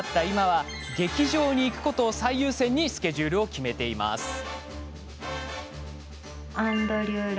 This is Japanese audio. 今劇場に行くことを最優先にスケジュールを決めています。